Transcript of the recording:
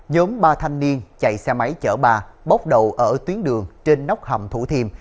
nhóm ba thanh niên chạy xe máy chở bà bóc đầu ở tuyến đường trên nóc hầm thủ thiềm